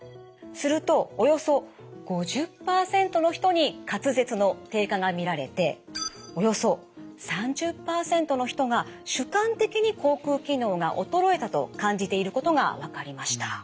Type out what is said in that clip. するとおよそ５０％の人に滑舌の低下が見られておよそ３０％の人が主観的に口くう機能が衰えたと感じていることが分かりました。